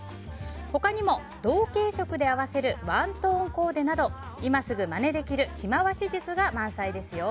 他にも、同系色で合わせるワントーンコーデなど今すぐまねできる着回し術が満載ですよ。